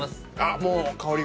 もう香りが。